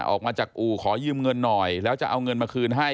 ออกมาจากอู่ขอยืมเงินหน่อยแล้วจะเอาเงินมาคืนให้